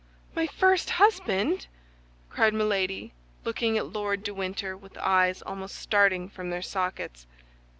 "My first husband!" cried Milady, looking at Lord de Winter with eyes almost starting from their sockets.